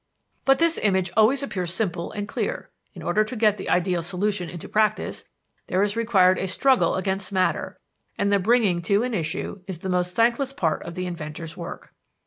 "But this image always appears simple and clear. In order to get the ideal solution into practice, there is required a struggle against matter, and the bringing to an issue is the most thankless part of the inventor's work.